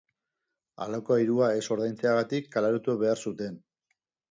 Alokairua ez ordaintzeagatik kaleratu behar zuten.